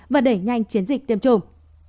và đẩy nhanh chiến dịch tiêm chủng